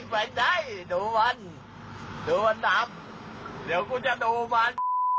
ไปโทรภาคนะสิ